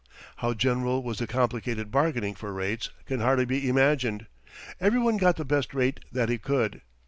How general was the complicated bargaining for rates can hardly be imagined; everyone got the best rate that he could.